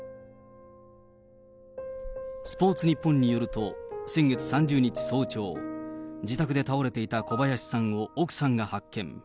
スポーツニッポンによると、先月３０日早朝、自宅で倒れていた小林さんを奥さんが発見。